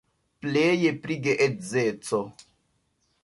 Pleje pri geedzeco.